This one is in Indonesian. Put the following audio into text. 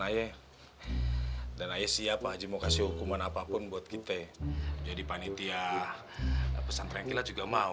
ayo dan ayo siapa aja mau kasih hukuman apapun buat kita jadi panitia pesan renggila juga mau